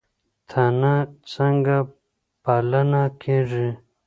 تنه څنګه پلنه کیږي؟